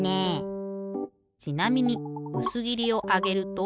ちなみにうすぎりをあげると。